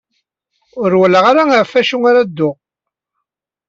Ur walaɣ ara ɣef wacu ara dduɣ.